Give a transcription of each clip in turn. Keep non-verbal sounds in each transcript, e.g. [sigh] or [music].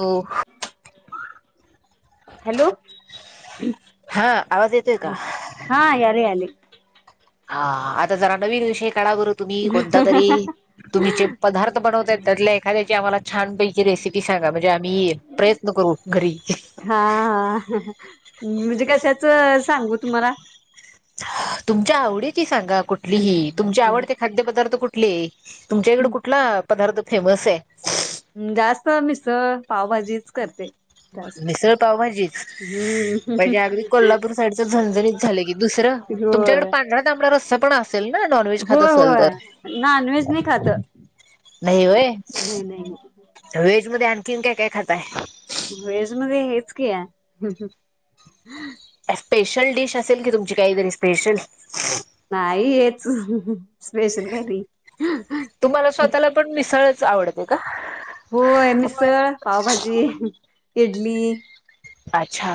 हो हॅलो. हा आवाज येतोय का? हा यारे आले हा आता जरा नवी विषय काडा बरं तुम्ही कोणता तरी तुम्ही जे पदार्थ बनवता त्यातल्या आम्हाला छान बई. रेसिपी सांगा म्हणजे आम्ही प्रयत्न करू घरी. हा हा म्हणजे कशाच सांगू तुम्हाला तुमच्या आवडी ची सांगा कुठ? ही तुमची आवडते खाद्यपदार्थ कुठले? [unintelligible] तुमच्या इकडं कुठला? पदार्थ फेमस आहे. ् जास्त मिसळ पावभाजीच करते. जास्त मिसळ पावभाजीच हम्म म्हणजे अगदी कोल्हापूर साईडच झणझणीत झालय की दुसरं होय तुमच्याकडे पांढरा तांबडा रस्सा पण असतोय. असल ना नॉनवे्व्हेज खात होय असल तर होय नॉनव्हेज नाही खात नय होय. नाही नाही व्हेजमध्ये आणखीन काय काय खातय? वेज मध्ये हेच कि- - स्पेशल डिश असेल कि तुमची काहीतरी स्पेशल? नाही हेच स्पेशल काय नाही. तुम्हाला स्वतःला पण मिसळच आवडते का? होय मिसळ पावभाजी इडली - - अच्छा.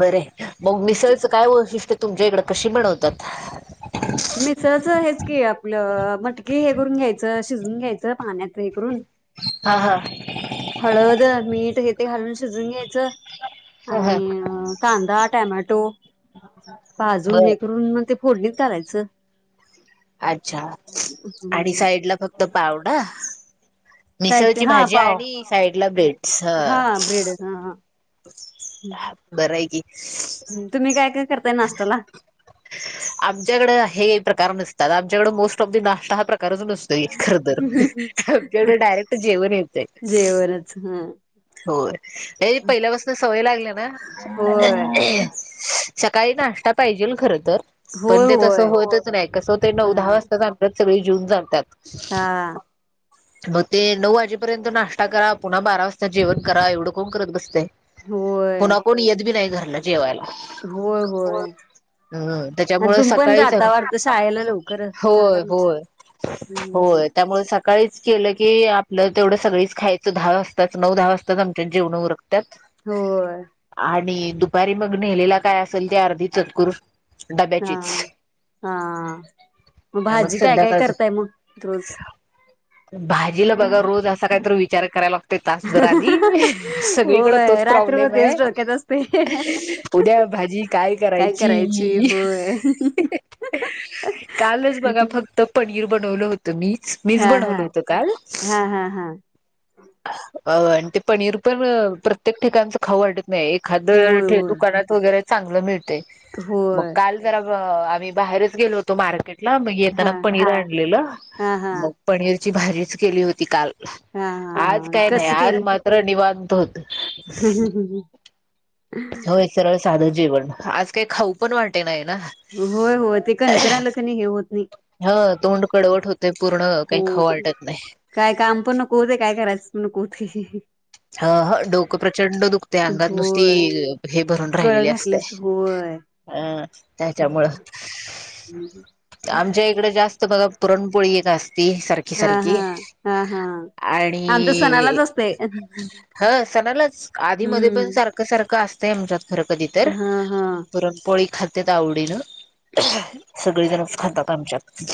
बर यं. मग मिसळचं काय वैशिष्ट्य - - तुमच्या इकडं कशी बनवतात? मिसळच हेच की आपलं मटकी हे करून घ्यायचं शिजवून घ्यायचं पाण्याच हे करून - - हा हा. हळद, मीठ हे ते घालून शिजवून घ्यायचं. ह ह आनी.. अ.. कांदा, टोमॅटो. रिकामा ऑडिओ पाजून, बर हे करून, मग ते.. फोडणीत घालायचं. अच्छा, आणि साईड ला फक्त पावडा? काय ते मिसळची हा भाजी पाव आणि साईड ला ब्रेड्स. हं. हा ब्रेड हा बरं हाय की. तुम्ही काय काय करताय नाश्त्याला? आमच्याकडं. हे प्रका- - र नसतात. आमच्याकडं होस्ट ऑफ द नाष्टा हा प्र - - कारचं नसतोय खरंतर. आमच्याकडं डायरेक्ट जेवन येतंय. जेवणच ह होय. हे पहिल्यापासून सवय लागल्या ना. होय सकाळी नाष्टा पायजेल खरं. तर. होय पण ते होय तसं होईतच नाय. कस होतय नऊ - दहा हा वाजताच आपन- - सगळी जेऊन जात्यात. हा. म ते नऊ वाजेपर्यंत नाष्टा करा. पुन्हा बारा वाज जता जेवण करा, एवढं कोण करत बसतयं. होय पुन्हा कुण येतं बी नाय घ रला जेवायला. होय. होय. हम्म आणि त्याच्यामुळे तुमी पण सकाळीच जाता वाटत शाळेला लवकरच? धाला होय म्हणजे. होय होय त्यामुळे सकाळीच केलं की आपलं तेवढं सगळीच खायचं दहा वा - - जताचं नऊ- धा वाजताच आमच जेवणं उरकत्यात. होय्. आणि दुपारी मग नेलेला काय असेल ते अर्धी चतकूर हा, डब्याचीच हा. म मग भाजी काय काय संध्याकाळच करताय म रोज? भाजीला बघा रोज असा कायतर विचार कराय लाग आस् बर आधी सगळीकडे होय तोच रात्रभर प्रॉब्लेम आहे. तेच डोक्यात असते. उद्या भाजी काय करायची? कालच बगा फक्त प नीर बनवलं हो तुम्हीच. मीच हा हा बनवलं होतं काल. हा हा हा अ अन् ते पनीर तर प्रत्येक ठिकाणंच खाऊ वाटत नाय एखादं होय ठे होय दुकानात वगैरे चांगलं मिळतंय. मग होय काल जरा अ मी बाहेरच गेलो होतो मार्केट ला मग हा येताना पनीर आणलेलं, हा हा मग पनीर ची भाजीच केली होती काल हा आज हा काय नाही आज मात्र निवां तो हम्म ह हम होय सरळ साधं जेवण आज काही खाऊ पण वाटे नाही ना होय होय ते कणकर आलं की नाय हे होत नाही हो तोंड कडवट होतंय पूर्ण हो काही खाऊ वाटत नाही. काय काम पण नको होते काय करायचं [inaudible] ह हं डोकं प्रचंड दुखते अंगात नुसती होय हे भरून कळ राहिलेली असते घातल्यास होय अं त्याच्यामुळं आमच्या इकडे जास् बघा पुरणपोळी एक आस हा हा हा हा आमचं सणालाच आणि असतंय. ह सणालाच आधी मधी पण सारखं सारखं असतंय आमच्यात खरं कधीतर हा हा पुरणपो ळी खात्यात आवडीनं सगळेजणचं खातात आमच्यात.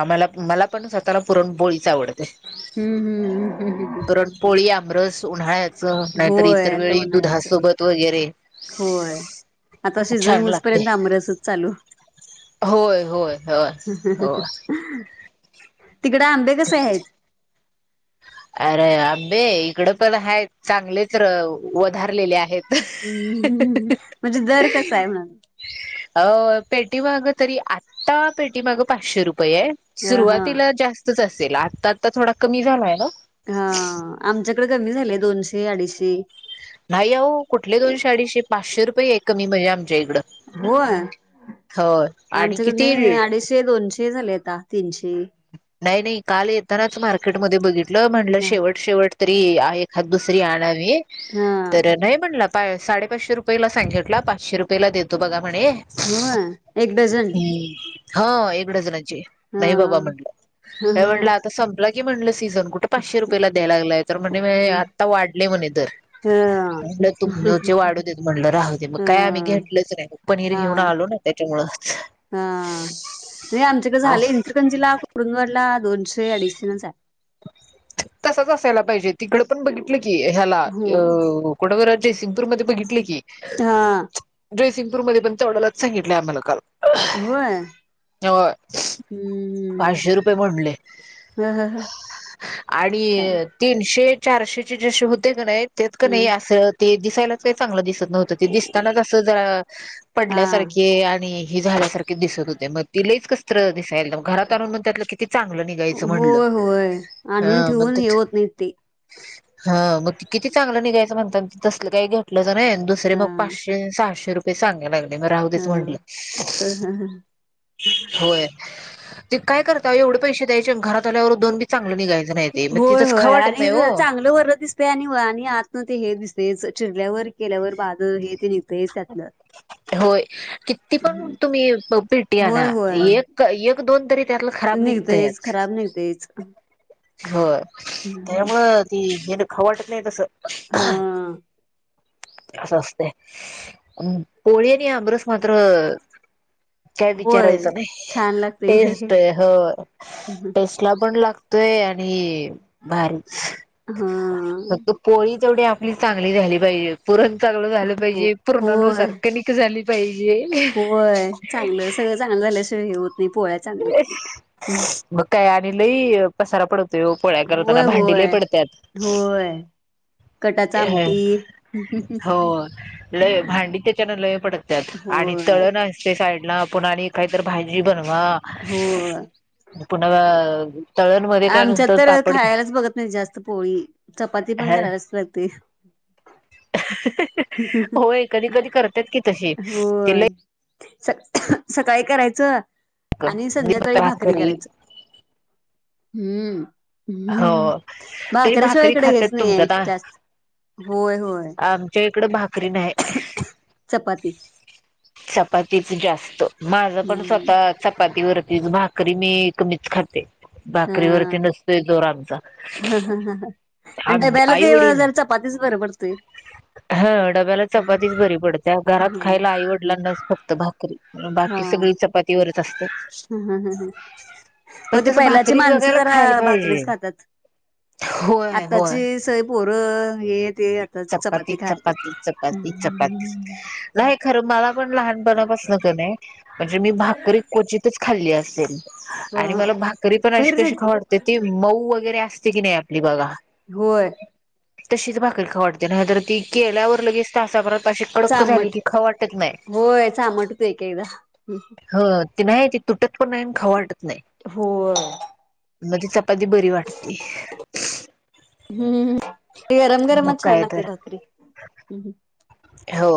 आम्हाला. मला पण स्वतःला पुरणपोळीच आवड हम्म हम्म हम्म हम्म हम्. तरड पोळीआं रस उन्हाळ्यात. स नाहीतर होय इतर आता वेळी उन्हाळ्याच दुधासोबत वगैरे होय आता सीझन छान लागते होऊसपर्यंत आमरसच चालू होय होय होय होय. तिकडे आंबे कसे आहेत. अरे अ्बे इकडे पन हायत. चांगलेच वधारलेले आहेत. हम्मम् म्हणजे दर कसा आहे म्ह अ पेटीमाग तरी आत्ता पेटीमागं पाचशे रु पये हा सुरुवातीला जास्तचं अस. जे लाटतात तर थोडा कमी झालाय ना हा आमच्या कमी झाले दोनशे, अडीशे नाही अहो कुठले दोनशे, अडिशे पाचशे रुपये आहे कमी म्हणजे आमच्या इथ होय आणि आमच्याकड नाही किती अडीचशे दोनशे हे झालंय आता तीनशे नाही नाही काल येतानाच मार्केटमध्ये बघितलं म्हटलं शेवट शेवट तरी एखाद दुसरी आणावी. हा तर नाही म्हणला. साडे पाचशे रुपयेला सांगीटला पाचशे रुपयाला देतो बघा. म्हणे होय एक डझन हा एकड जणांची हा नाही बाबा म्हण ह ह एवणलं आता सम की म्हणलंस सीझन कुठे पाचशे रुपयेला द्याय लागलाय तर म्हणे आता वाढले म्हणे दर ह म्हलं तुमचे वाढू देत म्हणलं राहू दे मग काय आम्ही ह घेतलच नाही मग पनीर घेऊन हा आलो ना त्याच्यामूळचं हा हाेय आमच्याकड झालंय अस इ [unintelligible] कुरुंदवाड ला शे अडीशेनच हाय तसाच असायला पाहिजे तिकड पण बघितलं की ह्याला हो कुठं जयसिंपूर मध्ये बघितल की हा जयसिंग मध्ये पण तेवड्याला सांगितलंय आम्हाला काल होय होय हम्म पाचशे रुपये म्हंटले. ह ह ह आणि काय तीनशे चारशे चे जशे होते कणी त्यात कनी ह अस ते दिसायला ते चांगलं दिसत नव्हतं. ते दिसतानाच असं जरा हा पडल्यासारखे आणि हे झाल्यासारख दिसत होते मग लइच कसतर दिसाल. घरात आणून मग त्यातलं किती चांगलं निघायचं म्हंटल होय होय आणून हा म्हण. ठेवून हे होत नाही ते हा मग किती चांगल निघायचं मग तस काही घेटलच दुसरे हा मग पाचशे सहाशे रुपय ते सांगाय लागल. मग राहुदेत म्हटलं. हा होय ते काय करता एवढे पैसे द्यायचे घरात आल्यावर दोन बी चांगलं निघायचं नाही ते मग होय तिथंच खाऊ होय वाटत नाही हो. आणि चांगलं वर दिसतय. आणि आणि आतन ते हे दिसत तेच चिरल्यावर केल्यावर बाध हे ते निघ होय किती पण तुम्ही पीट्टी होय आना होय एक एक दोन तरी त्यातलं खराब निघतयच खराब निघतयच. होय त्यामुळ ती खाऊ वाटत नाही तसं. हं. अस असतय. पोळी आणि आमरस मात्र काय होय विचारायच नाही. छान लागते हा टेस्ट टेस्ट ला पण लाग तोय आणि भारी हां. तेेवढी आपली चांगली झाली पाहिजे. पुरण चगलं झालं पाहिजे. होय पुराणानुसार कनिक झाली, पई [unintelligible] होय चांगलं. सगळं चांगलं झाल्याशिवाय हे होत नाही पोळ्या चांगल्या होत नाहीत. हम्म ब काय या लई पसारा पडत पोळ्या करताना होय भांडी लय होय पडतात होय कटाच आमटी हो लई भांडी त्याच्यान लई पडत्यात आणि होय तळण असते साइड आणि काहीत भाजी बनवा होय पुन्हा मध्ये काय आमच्यात नुसतं तर पापड खायलाच बघत नाही जास्त पोळी चपाती पण करायलाच लागते होय कधी कधी करतात की तशी ति होय लय स सकाळी करायचं आणि संध्याकाळी भाकरी करायचं हम्म हम्म हो तरी भाकरी भाकऱ्याशिवायकडे घेतच खात्यात नाही आहे तुमच्यात जास्त होय होय च्या इकडे भा तकरी नाहीय चपाती चपातीच जास्त माझं पण हम्म स्वतः चपातीवर त भाकरी मी कमीच खाते हा बाकरी वरती न हा आणि डब्याला आई ते वडील जर चपातीच बरं पडतंय डब्याला चपाती बरी पडत घरात खायला आईवडलांना फक्त तरी बाकी सगळी चपाती वर ह् ह ह ह मग पण ते तसं पहिलाची भाकरी माणसं बघायला जरा खायला होय भाकरीच खातात होय पर ये चपाती चपाती चपाती चपाती नाही खरं मला पण लहानपणापास नक नाही म्हणजे मी भाकरी कोची खाली असे आणि ह मला भाकरी पण अशी बहिरच कशी आहेत की खवडते ती मऊ वगैरे असते की नाही आपली बघा होय तशीच भाकरर खवडते त्यार ती केल्यावर लगेच तासा परत अशी कडक झाली चामट की ख वाटत नाही होय चामट होतय एक एकदा ह नाही त ते तुटत पण नाही खावा वाटत हो म्हणजे च कधी बरी वाटते. ते गरम मग गरमच छान काय लागते तर भाकरी हम्. हो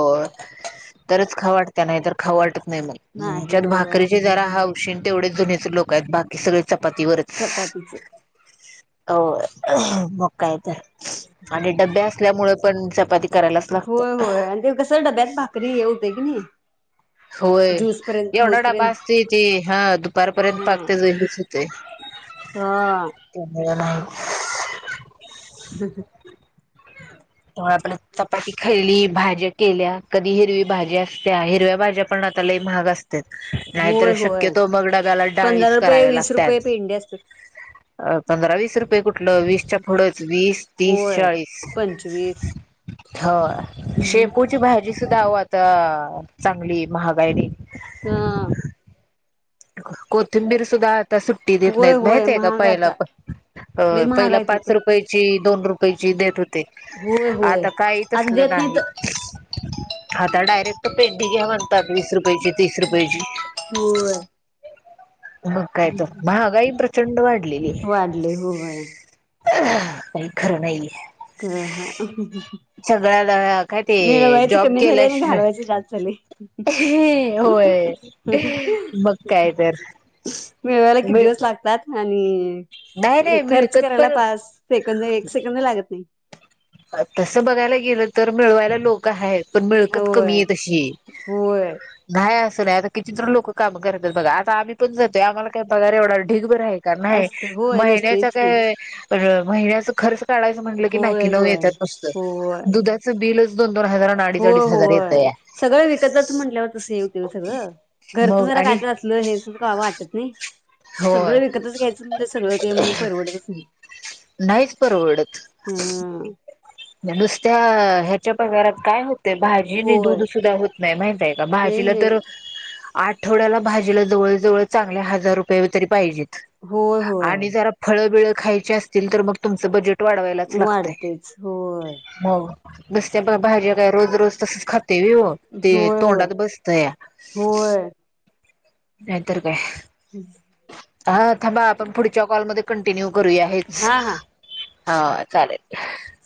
तरच खाऊ वाटत नाही तर खाऊ वाट त नाही मग. नाही आमच्यात होय भाकरीचे जरा हौशीने तेवढेच जुनेच लोक आहेत, बाकी सगळे चपातीवरच. चपातीच होय. काय तर आणि डबे असल्यामुळे पण चपाती करायलाच होय लागत्या. होय आणि ते कस डब्यात भाकरी हे हो तंय का नाही. होय ज्यूस पर्यंत एवढा खाऊस डबा पर्यंत असतय ते हा दुपारपर्यंत पाक तेज हेच होते. हा नाही. ह ह ह. हो आपल्यात चपाती खाल्ली, भाज्या केल्या, कधी हिरवी भाज्या असत्या, हिरव्या भाज्या पण आता लय महाग अस त्यात नाहीतर होय होय शक्यतो मग डब्याला पंधरा डाळीचा रुपये कराव्या वीस लागत्यात. रुपये पेंडे असतात अ पंधरा-वीस रुपये कु ठल वीस च्या पुढेच वीस, तीस, होय चाळीस. पंचवीस हाय हम्म शेपूची भाजी सुधा हो आता चांगली महागायली. हा. कोथिंबीर सुद्धा आता सुट्टी देत होय नाहीत होय माहित आहे का? महाग पहिला आता प लय महाग पहिला आहे ते पाच पण रुपयाची दोन रुपय पैसे देत हो ते. होय होय आता काहीच तसलं देत नाही. तर आता डायरेक्ट पेंडी घ्या म्हणतात वीस रुपयाची तीस रुपयेची. होय. मग काय तर महागाई प्रचंड वाढलेली आहे. वाढले होय हा काय खरं नाही बाई. घा. सगळ्याला काय ते मिळवायचं जॉब कमी झालय आणि केल्याशिवाय घालवायच जास्त झालय. होय. मग काय तर मिळवायला किती मिळ दिवस लागतात. आणि नाही नाही खर्च मिळकत करायला पण पाच सेकंद एक सेकंद लागत नाही तसं बघायला गेलं तर मिळवायला लोक आहेत पण मिळकत कमी होय आहे तशी होय नाहीय नाही आता किचन लोक काम करतात बघ आम्ही पण जो आम्हाला का पगार एवढा? क बर आहे का नाही असत होय महिन्याच नसतेच की काय. महिनचं खर शाळायचंटलं की नाही की होय नऊ. होय दुधाच बल. हो हो सगळं विकत जात म्हटल्यावर तसं येव ते सगळं घरच मग जरा काय आणि तर असलं हे का वाटत नाही. हो सगळं विकतच घ्यायचं म्ह सगळं ते मग परवडतच नाही नाहीच परवडत हम्. नुसत्या ह्याच्या पण घरात काय होत? ते भाजीनी दूध होय सुद्धा होत नाही माहितय का नाही भाजीला नाही तर आठवड्याला भाजीला जवळजवळ चांगले हजार रुपये तरी पाहिजेत.. होय होय आणि जरा फळबिळ खायचे असतील तर मग तुमचं बजे वाढवायलाच लागतय वाढतेच होय हो बसत्या बघ बाहेर काय रोज [inaudible] खाते हो ते होय होय तोंडात बसतया होय नाही तर हा थांबा आपण पुढच्या कॉलमध्ये टिन्यू करूया हेच हा हा हा चालेल